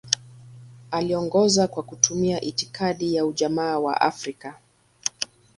Aliongoza kwa kutumia itikadi ya Ujamaa wa Afrika.